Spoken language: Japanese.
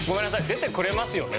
出てくれますよね